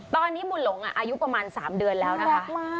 ตอนนี้บุญหลงอายุประมาณ๓เดือนแล้วนะคะ